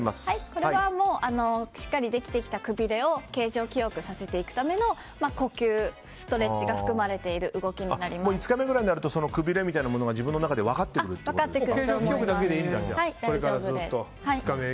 これはしっかりできてきたくびれを形状記憶させておくための呼吸、ストレッチが５日目ぐらいになるとくびれみたいなものが自分の中で分かってくるんですね。